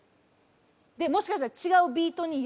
でもしかしたらちがうビートにやる。